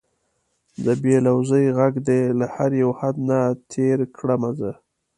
د بې لوظۍ غږ دې له هر یو حد نه تېر کړمه زه